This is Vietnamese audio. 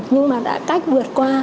nhưng mà đã cách vượt qua